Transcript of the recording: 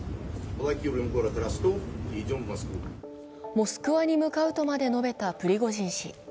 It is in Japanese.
モスクワに向かうとまで述べたプリゴジン氏。